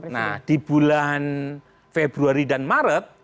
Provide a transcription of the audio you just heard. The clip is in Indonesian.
nah di bulan februari dan maret